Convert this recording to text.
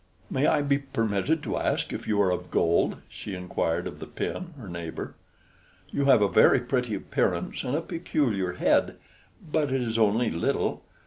"May I be permitted to ask if you are of gold?" she inquired of the pin, her neighbor. "You have a very pretty appearance and a peculiar head, but it is only little.